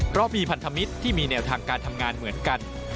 เพราะมีพันธมิตรที่มีแนวทางการทำงานเหมือนกัน